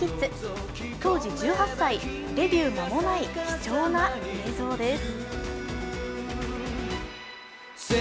当時１８歳、デビュー間もない貴重な映像です。